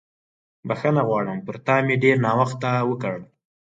بښنه غواړم، پر تا مې ډېر ناوخته وکړ.